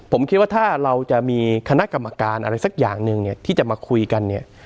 ผมคิดว่าถ้าเราจะมีคณะกรรมการอะไรสักอย่างหนึ่งเนี่ยที่จะมาคุยกันเนี่ย